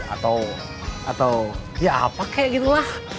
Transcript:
atau ya apa kayak gitu lah